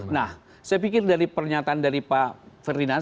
nah saya pikir dari pernyataan dari pak ferdinand